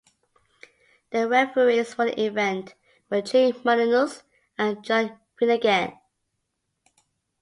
The referees for the event were Jim Molineaux and John Finnegan.